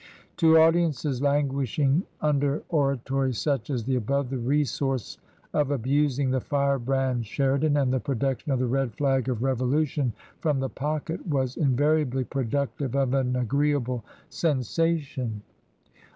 . To audiences languishing under oratory such as the above, the resource of abusing the "Firebrand Sheri dan" and the production of the " Red Flag of Revolu tion" from the pocket, was invariably productive of an agreeable sensation.